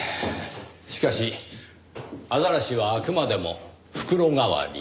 しかしアザラシはあくまでも袋代わり。